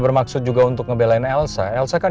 bermaksud juga untuk ngebelain elsa elsa kan